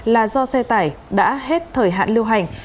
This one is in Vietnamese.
là do xe tải đã hết thời hạn lưu hành